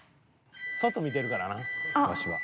外見てるからなワシは。